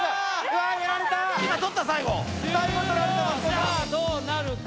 さあどうなるか。